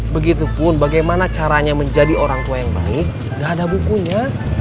begitupun bagaimana caranya menjadi orang tua yang baik tidak ada bukunya